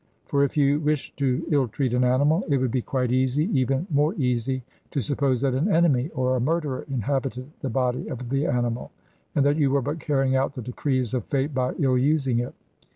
For if you wished to illtreat an animal, it would be quite easy, even more easy, to suppose that an enemy or a murderer inhabited the body of the animal, and that you were but carrying out the decrees of fate by ill using it.